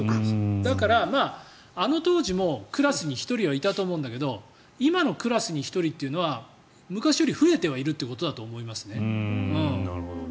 だから、あの当時もクラスに１人はいたと思うんだけど今のクラスに１人というのは昔より増えてはいるということだと思います。